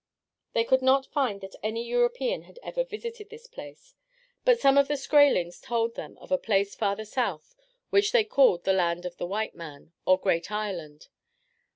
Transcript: They could not find that any European had ever visited this place; but some of the Skraelings told them of a place farther south, which they called "the Land of the Whiteman," or "Great Ireland."